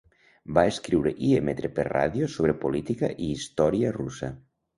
Va escriure i emetre per ràdio sobre política i història russa.